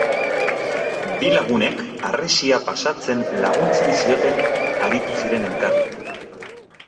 Bi lagunek harresia pasatzen laguntzen zioten aritu ziren elkarri.